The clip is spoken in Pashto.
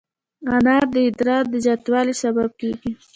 انار د ادرار د زیاتوالي سبب کېږي.